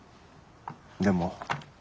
でも。